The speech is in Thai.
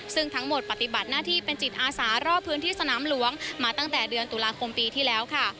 ซึ่งทั้งหมดปฏิบัติหน้าที่เป็นจิตอาสารอบพื้นที่สนามหลวงมาตั้งแต่เดือนตุลาคมปีที่แล้วค่ะ